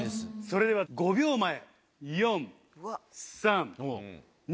それでは５秒前。